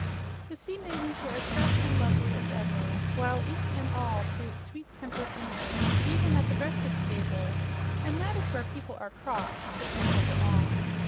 The sea maidens were as fresh and lovely as ever, while each and all proved sweet tempered and merry, even at the breakfast table and that is where people are cross, if they ever are.